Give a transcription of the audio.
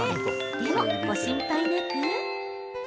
でも、ご心配なく。